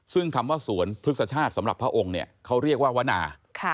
ซึ่งคำว่าสวนพฤกษชาติสำหรับพระองค์เนี่ยเขาเรียกว่าวนา